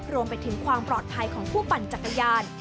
รวมไปถึงความปลอดภัยของผู้ปั่นจักรยาน